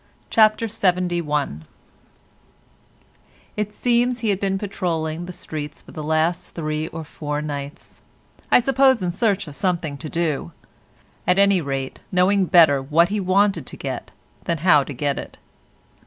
CHAPTER LXXI It seems he had been patrolling the streets for the last three or four nights—I suppose in search of something to do—at any rate knowing better what he wanted to get than how to get it.